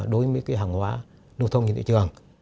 đối với cái hàng hóa nô thông trên thị trường